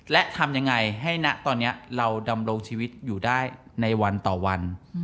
และทำยังไงให้ณตอนนี้เราดำรงชีวิตอยู่ได้ในวันต่อวัน